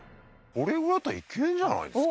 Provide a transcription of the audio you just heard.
これぐらいだったらいけるんじゃないですか？